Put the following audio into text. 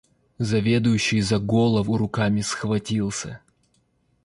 Заведующий за голову руками схватился.